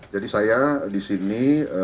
jadi saya disini